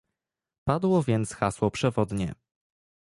Padło więc hasło przewodnie